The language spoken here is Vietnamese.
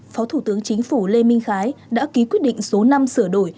phó thủ tướng chính phủ lê minh khái đã ký quyết định số năm sửa đổi